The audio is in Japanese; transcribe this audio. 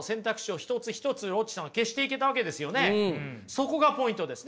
そこがポイントです。